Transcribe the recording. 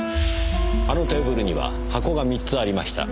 あのテーブルには箱が三つありました。